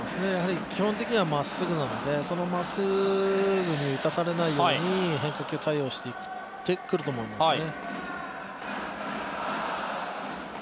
基本的に、まっすぐなので、そのまっすぐに打たされないように変化球対応してくると思うんですね。